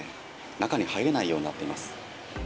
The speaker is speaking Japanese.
中に入れないようになっています。